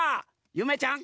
ゆめちゃん